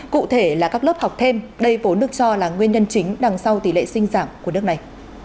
cụ thể là các lớp học thêm đây vốn được cho là nguyên nhân chính đằng sau tỷ lệ sinh giảm của nước này